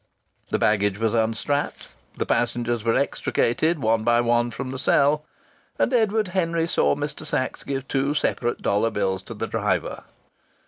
The baggage was unstrapped; the passengers were extracted one by one from the cell, and Edward Henry saw Mr. Sachs give two separate dollar bills to the driver.